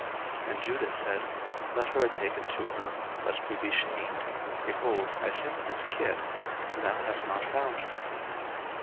01:038:023 And Judah said, Let her take it to her, lest we be shamed: behold, I sent this kid, and thou hast not found her.